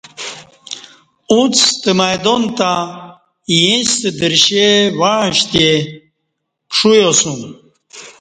اݩڅ ستہ میدان تہ ایݩستہ درشے وعݩشتی پݜویاسوم